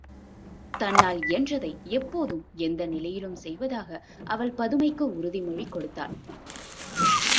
தன்னால் இயன்றதை எப்போதும் எந்த நிலையிலும் செய்வதாக அவள் பதுமைக்கு உறுதிமொழி கொடுத்தாள்.